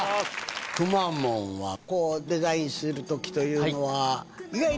くまモンはデザインする時というのは。